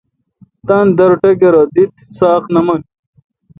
تانی در ٹکرہ ۔دی تہ ساق نہ من